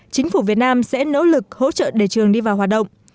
chính phủ việt nam sẽ nỗ lực hỗ trợ để trường đi vào hoạt động